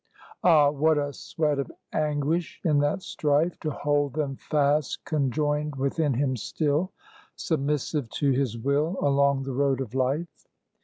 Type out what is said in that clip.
Ah, what a sweat of anguish in that strife To hold them fast conjoined within him still; Submissive to his will Along the road of life!